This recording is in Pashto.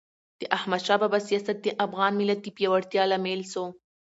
د احمد شاه بابا سیاست د افغان ملت د پیاوړتیا لامل سو.